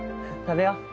食べよう。